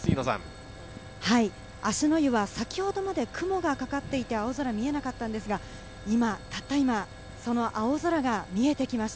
芦之湯は先ほどまで雲がかかっていて青空が見えなかったのですが、たった今、青空が見えてきました。